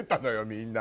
みんな。